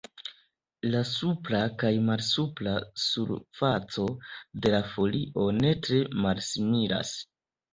La supra kaj malsupra surfaco de la folio ne tre malsimilas.